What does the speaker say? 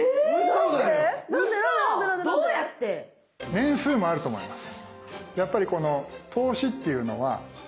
年数もあると思います。